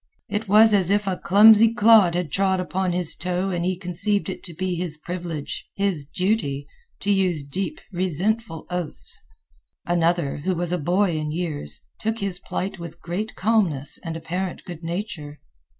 It was as if a clumsy clod had trod upon his toe and he conceived it to be his privilege, his duty, to use deep, resentful oaths. Another, who was a boy in years, took his plight with great calmness and apparent good nature.